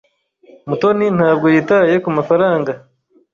Mutoni ntabwo yitaye kumafaranga.